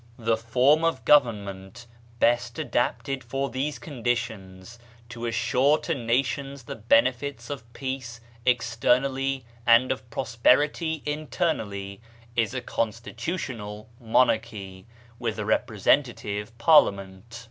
UNIVERSAL PEACE 123 the form of government best adapted for these conditions, to assure to nations the benefits of peace externally and of prosperity internally, is a Constitutional Monarchy with a Representative Par liament.